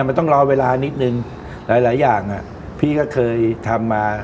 มันต้องรอเวลานิดนึงหลายอย่างพี่ก็เคยทำมา